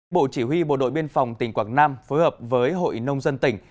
bộ chỉ huy bộ đội biên phòng tỉnh quảng nam phối hợp với hội nông dân tỉnh